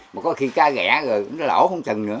mà có khi cá rẻ rồi nó lỗ không cần nữa